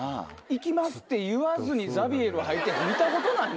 いきますって言わずにザビエル入ってるヤツ見たことないもん。